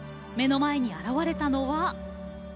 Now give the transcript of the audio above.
目の前に現れたのは。